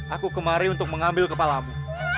aku kemari untuk mengambil kepalamu